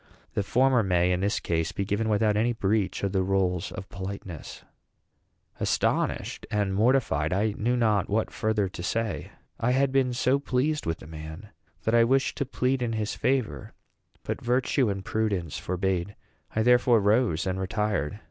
The former may, in this case, be given without any breach of the rules of politeness." Astonished and mortified, I knew not what further to say. I had been so pleased with the man that I wished to plead in his favor; but virtue and prudence forbade. I therefore rose and retired.